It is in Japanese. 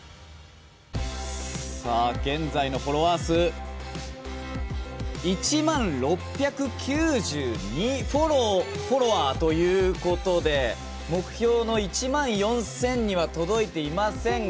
現在のフォロワー数１万６９２フォロワーということで目標の１万４０００人には届いていませんが。